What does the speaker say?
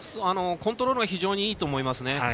コントロールが非常にいいと思いますね。